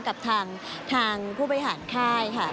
กับทางผู้บริหารค่ายค่ะ